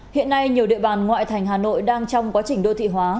hiện nay nhiều địa bàn ngoại thành hà nội đang trong quá trình đô thị hóa